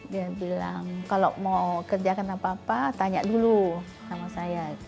dia bilang kalau mau kerjakan apa apa tanya dulu sama saya